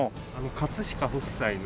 飾北斎の。